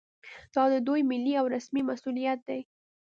دا د دوی ملي او رسمي مسوولیت دی